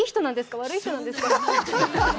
悪い人なんですか？